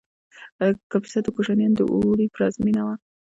کاپیسا د کوشانیانو د اوړي پلازمینه وه